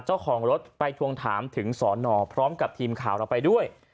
เจ้าของรถไปทวงถามถึงสอนอพร้อมกับทีมข่าวเราไปด้วย